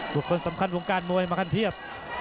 บุคคลสำคัญวงการมวยมากันเทียบ